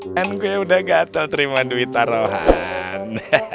dan gue udah gatel terima duit taruhan